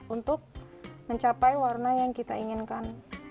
untuk mencapai warna yang kita inginkan